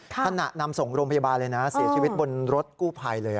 นำส่งโรงพยาบาลเลยนะเสียชีวิตบนรถกู้ภัยเลย